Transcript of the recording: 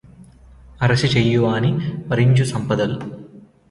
అరసి చేయువాని వరియించు సంపదల్